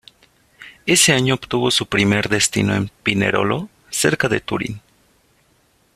Ese año obtuvo su primer destino en Pinerolo cerca de Turín.